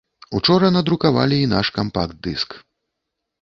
Учора надрукавалі і наш кампакт-дыск.